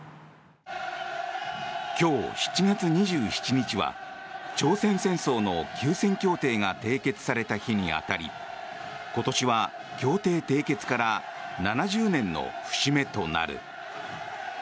今日７月２７日は朝鮮戦争の休戦協定が締結された日に当たり今年は協定締結から７０年の節目となる。